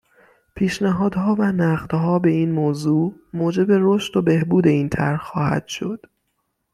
پیشنهادها و نقدها به این موضوع، موجب رشد و بهبود این طرح خواهد شد